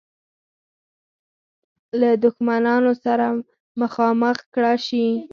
له دښمنانو سره مخامخ کړه شي.